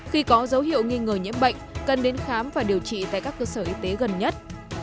khi có dấu hiệu nghi ngờ nhiễm bệnh cần đến khám và điều trị tại các cơ sở y tế gần nhất